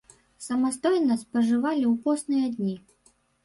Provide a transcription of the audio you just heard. Самастойна спажывалі ў посныя дні.